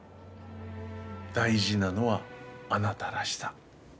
大事なのはあなたらしさ。